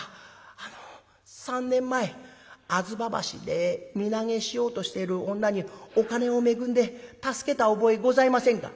あの３年前吾妻橋で身投げしようとしている女にお金を恵んで助けた覚えございませんか？」。